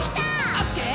「オッケー！